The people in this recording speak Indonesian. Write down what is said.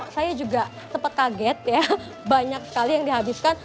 saya juga sempat kaget ya banyak sekali yang dihabiskan